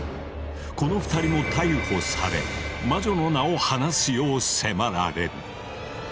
この２人も逮捕され魔女の名を話すよう迫られる。